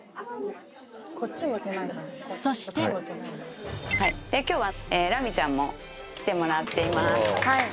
そして今日はラミちゃんも来てもらっています。